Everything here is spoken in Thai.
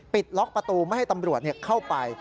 ล็อกประตูไม่ให้ตำรวจเข้าไป